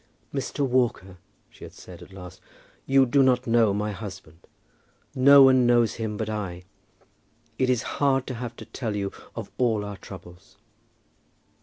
"Mr. Walker," she had said, at last, "you do not know my husband. No one knows him but I. It is hard to have to tell you of all our troubles."